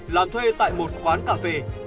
làm thuê tại một quán cà phê